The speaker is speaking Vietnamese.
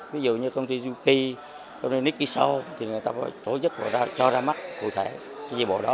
ví dụ như công ty yuki công ty nikiso thì người ta tổ chức và cho ra mắt cụ thể chi bộ đó